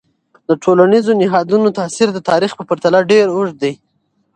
د ټولنیزو نهادونو تاثیر د تاریخ په پرتله ډیر اوږد دی.